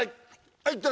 はい！